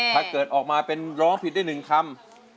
ถ้าเกิดออกมาเป็นร้องผิดได้๑คำ